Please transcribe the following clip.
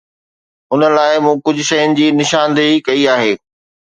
ان لاءِ مون ڪجهه شين جي نشاندهي ڪئي آهي.